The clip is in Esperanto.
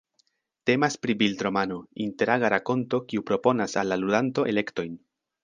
Temas pri bildromano, interaga rakonto kiu proponas al la ludanto elektojn.